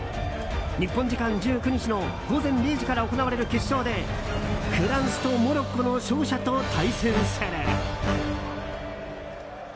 日本時間１９日の午前０時から行われる決勝でフランスとモロッコの勝者と対戦する。